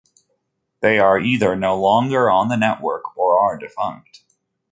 They are either no longer on the network or are defunct.